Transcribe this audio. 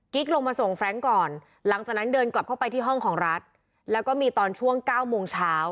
ลงมาส่งแร้งก่อนหลังจากนั้นเดินกลับเข้าไปที่ห้องของรัฐแล้วก็มีตอนช่วงเก้าโมงเช้า